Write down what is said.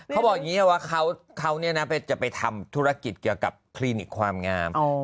เขาบอกอย่างนี้ว่าเขาจะไปทำธุรกิจเกี่ยวกับคลินิกความงาม